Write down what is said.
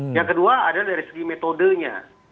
yang kedua adalah dari segi metodenya